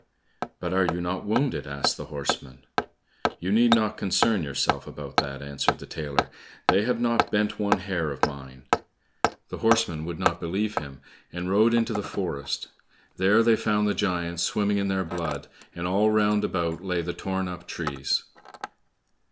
"But are you not wounded?" asked the horsemen. "You need not concern yourself about that," answered the tailor, "They have not bent one hair of mine." The horsemen would not believe him, and rode into the forest; there they found the giants swimming in their blood, and all round about lay the torn up trees.